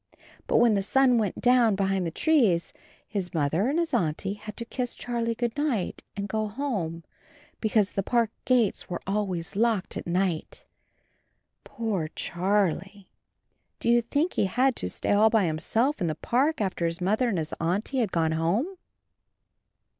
But when the sun went down behind the trees his Mother and his Auntie had to kiss Charlie "Good night," and go home, be cause the park gates were always locked at night. Poor Charlie! Do you think he had to stay all by himself in the park after his Mother and his Auntie had gone home?